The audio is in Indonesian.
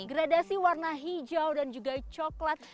gradasi warna hijau dan juga coklat